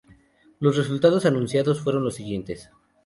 Los resultados anunciados fueron los siguientes.